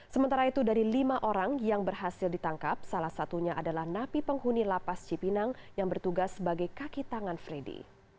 sementara itu dari lima orang yang berhasil ditangkap salah satunya adalah napi penghuni lapas cipinang yang bertugas sebagai kaki tangan freddy